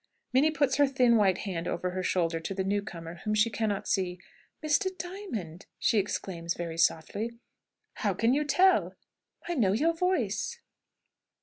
Minnie puts her thin white hand over her shoulder to the new comer, whom she cannot see. "Mr. Diamond!" she exclaims very softly. "How can you tell?" "I know your voice."